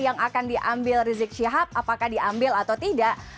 yang akan diambil riseg siap apakah diambil atau tidak